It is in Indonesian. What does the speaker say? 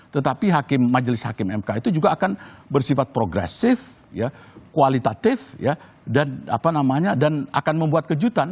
tetapi majelis hakim mk itu juga akan bersifat progresif kualitatif dan akan membuat kejutan